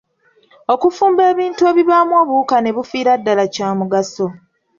Okufumba ebintu ebibaamu obuwuka ne bufiira ddala kya mugaso.